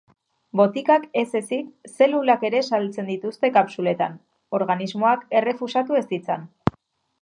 Botikak ez ezik zelulak ere sartzen dituzte kapsuletan, organismoak errefusatu ez ditzan.